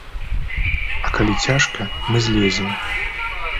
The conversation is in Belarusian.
А калі цяжка, мы злезем.